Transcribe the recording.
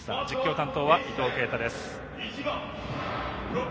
実況担当は伊藤慶太です。